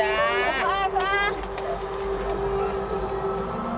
お母さん！